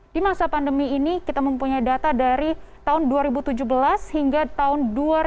di masa pandemi ini kita mempunyai data dari tahun dua ribu tujuh belas hingga tahun dua ribu dua